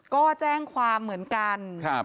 ก็แจ้งความเหมือนกัน